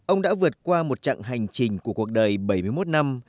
ông đã vượt qua một chặng hành trình của cuộc đời bảy mươi một năm